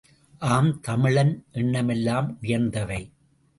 ஆம், தமிழன் எண்ணமெல்லாம் உயர்ந்தவை.